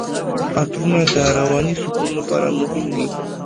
عطرونه د رواني سکون لپاره مهم دي.